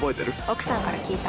奥さんから聞いた。